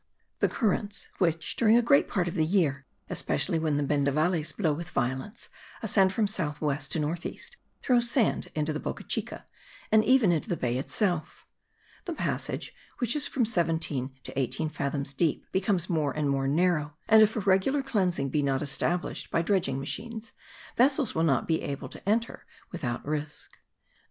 The currents which, during a great part of the year, especially when the bendavales blow with violence, ascend from south west to north east, throw sand into the Boca Chica, and even into the bay itself. The passage, which is from seventeen to eighteen fathoms deep, becomes more and more narrow,* and if a regular cleansing be not established by dredging machines, vessels will not be able to enter without risk.